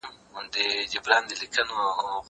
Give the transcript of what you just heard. هغه څوک چي سبزیحات جمع کوي قوي وي!؟